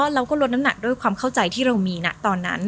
เราก็ลดน้ำหนักด้วยความเข้าใจที่เรามีนะตอนนั้น